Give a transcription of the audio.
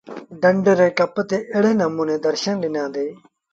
ڍنڍ ري ڪپ تي ايڙي نموٚني درشن ڏنآندي۔